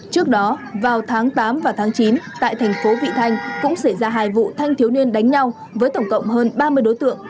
trước đó vào tháng tám và tháng chín tại thành phố vị thanh cũng xảy ra hai vụ thanh thiếu niên đánh nhau với tổng cộng hơn ba mươi đối tượng